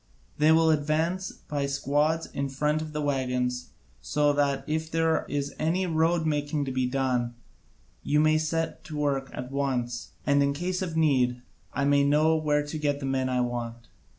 They will advance by squads in front of the waggons so that if there is any road making to be done you may set to work at once, and in case of need I may know where to get the men I want.